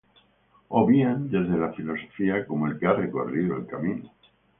O bien, desde la filosofía, como 'el que ha recorrido el camino'.